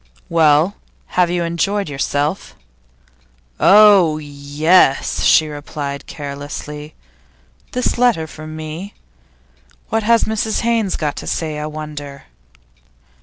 'Well, have you enjoyed yourself?' 'Oh yes!' she replied, carelessly. 'This letter for me? What has Mrs Haynes got to say, I wonder?